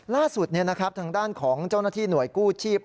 ล่าสุดเนี่ยนะครับทางด้านของเจ้าหน้าที่หน่วยกู้ชีพ